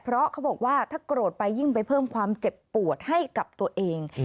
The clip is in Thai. เพราะเขาบอกว่าถ้าโกรธไปยิ่งไปเพิ่มความเจ็บปวดให้กับตัวเอง